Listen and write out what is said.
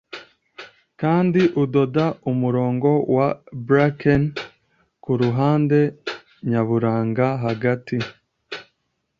kandi udoda umurongo wa bracken kuruhande nyaburanga. hagati